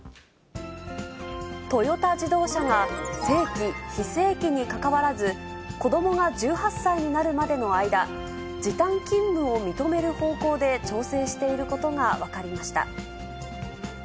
トヨタ自動車が正規、非正規にかかわらず、子どもが１８歳になるまでの間、時短勤務を認める方向で調整していることが分かりました。